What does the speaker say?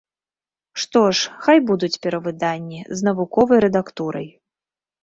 Што ж, хай будуць перавыданні, з навуковай рэдактурай.